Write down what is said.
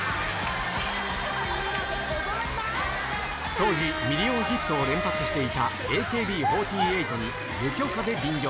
当時、ミリオンヒットを連発していたＡＫＢ４８に無許可で便乗。